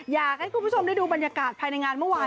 อยากให้คุณผู้ชมได้ดูบรรยากาศภายในงานเมื่อวาน